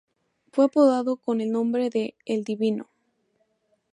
Fue apodado con el nombre de "El Divino".